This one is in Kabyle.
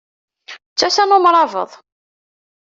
D tasa n umṛabeḍ!